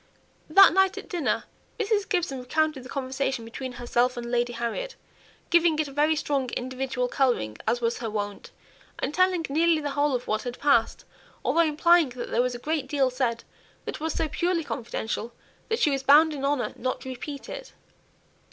That night at dinner, Mrs. Gibson recounted the conversation between herself and Lady Harriet, giving it a very strong individual colouring, as was her wont, and telling nearly the whole of what had passed, although implying that there was a great deal said which was so purely confidential, that she was bound in honour not to repeat it.